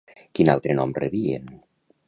Quin altre nom rebien?